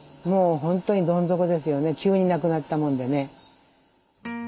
急に亡くなったもんでね。